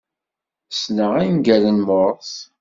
Ssneɣ angal n Morse.